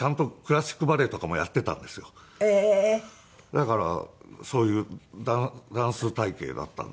だからそういうダンス体形だったんですけども。